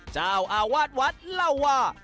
เจ้าอาวาสวัดเล่าว่า